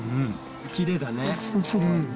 きれいだね。